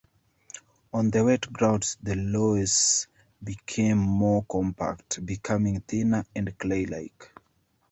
On the wet grounds, the loess became more compact, becoming thinner and claylike.